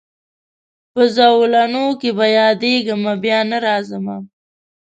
په زولنو کي به یادېږمه بیا نه راځمه